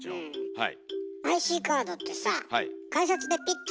はい。